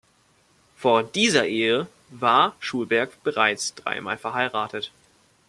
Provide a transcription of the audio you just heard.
Vor dieser Ehe war Schulberg bereits dreimal verheiratet.